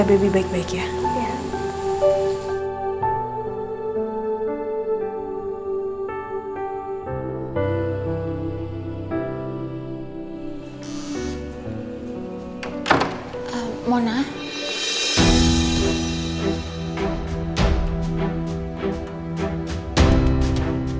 mama pergi dulu ya sayang